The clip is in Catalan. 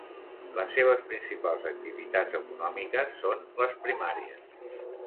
Les seves principals activitats econòmiques són les primàries.